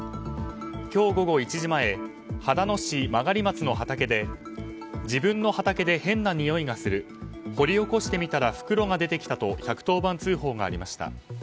今日午後１時前秦野市曲松の畑で自分の畑で変なにおいがする掘り起こしてみたら袋が出てきたと１１０番通報がありました。